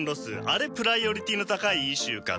あれプライオリティーの高いイシューかと。